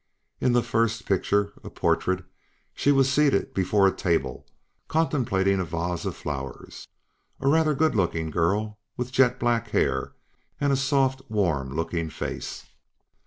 In the first picture, a portrait, she was seated before a table, contemplating a vase of flowers. A rather good looking girl with jet black hair and a soft, warm looking face.